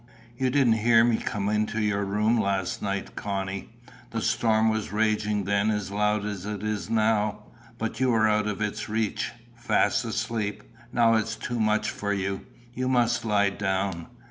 "You didn't hear me come into your room last night, Connie. The storm was raging then as loud as it is now, but you were out of its reach fast asleep. Now it is too much for you. You must lie down."